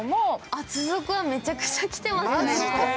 厚底はめちゃくちゃ来てますね。